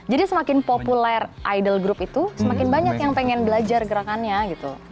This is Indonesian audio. semakin populer idol group itu semakin banyak yang pengen belajar gerakannya gitu